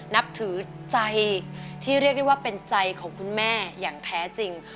นับถือใจที่เรียกได้ว่าเป็นใจของคุณแม่อย่างแท้จริง